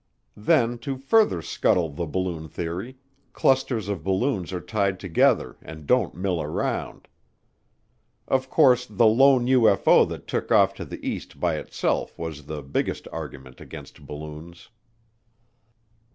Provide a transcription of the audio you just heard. Then, to further scuttle the balloon theory, clusters of balloons are tied together and don't mill around. Of course, the lone UFO that took off to the east by itself was the biggest argument against balloons.